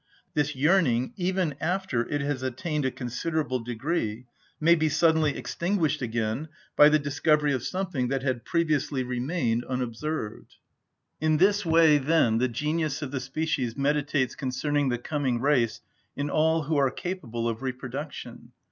This yearning, even after it has attained a considerable degree, may be suddenly extinguished again by the discovery of something that had previously remained unobserved. In this way, then, the genius of the species meditates concerning the coming race in all who are capable of reproduction.